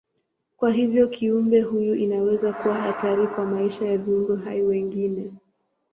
Kwa hivyo kiumbe huyu inaweza kuwa hatari kwa maisha ya viumbe hai wengine.